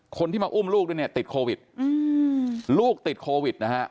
คนที่มาอุ้มลูกด้วยเนี่ยติดโควิดลูกติดโควิดนะฮะ